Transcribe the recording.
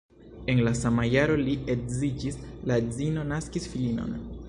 En la sama jaro li edziĝis, la edzino naskis filinon.